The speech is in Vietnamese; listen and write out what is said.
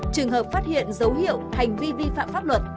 trường hợp phát hiện dấu hiệu hành vi vi phạm pháp luật